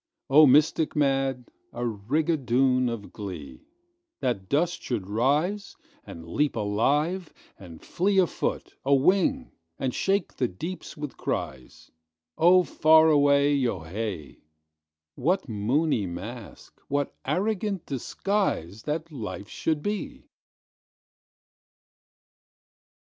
Oh, mystic mad, a rigadoon of glee, That dust should rise, and leap alive, and fleeA foot, a wing, and shake the deeps with cries—Oh, far away—yo hay! What moony masque, what arrogant disguiseThat life should be!